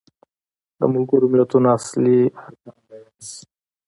د ملګرو ملتونو اصلي ارکان بیان شي.